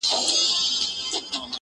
پلار چوپتيا کي عذاب وړي تل,